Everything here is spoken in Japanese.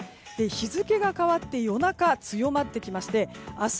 日付が変わって夜中強まってきまして明日